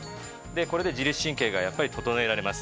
これで自律神経が整えられます。